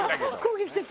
攻撃的。